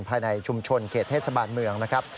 ภายในชุมชนเขตเทศบาลเมืองนะครับ